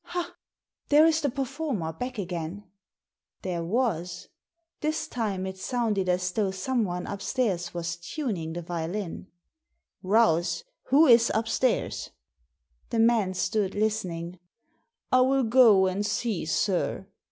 Ha! there is the performer back again." There was. This time it sounded as though some one upstairs was tuning the violin, *• Rouse, who is upstairs ?" The man stood listening. " I will go and see, sir.